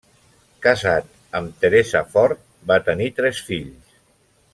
Casat amb Teresa Fort, va tenir tres fills.